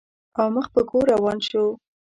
او مخ په کور روان شو.